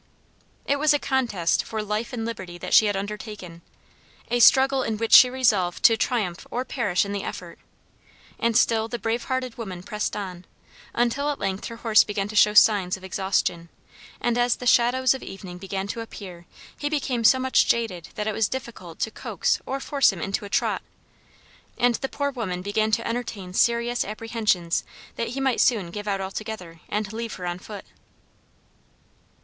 It was a contest for life and liberty that she had undertaken, a struggle in which she resolved to triumph or perish in the effort: and still the brave hearted woman pressed on, until at length her horse began to show signs of exhaustion, and as the shadows of evening began to appear he became so much jaded that it was difficult to coax or force him into a trot, and the poor woman began to entertain serious apprehensions that he might soon give out altogether and leave her on foot.